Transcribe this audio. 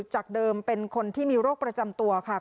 จากเดิมเป็นคนที่มีโรคประจำตัวค่ะ